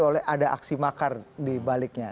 oleh ada aksi makar di baliknya